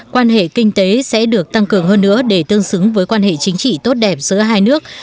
quan hệ kinh tế sẽ được tăng cường hơn nữa để tương xứng với quan hệ chính trị tốt đẹp giữa hai nước